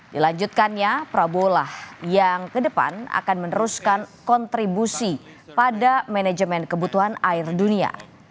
dilanjutkannya prabowo lah yang kedepan akan meneruskan kontribusi pada manajemen kebutuhan air dunia